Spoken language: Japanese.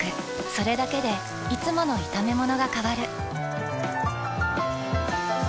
それだけでいつもの炒めものが変わる。